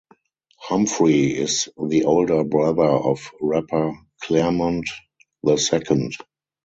Humphrey is the older brother of rapper Clairmont the Second.